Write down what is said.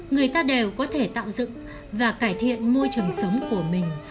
người ta đều có thể tạo dựng và cải thiện môi trường sống của mình